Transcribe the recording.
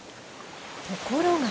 ところが。